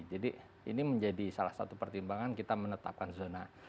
jadi ini menjadi salah satu pertimbangan kita menetapkan zona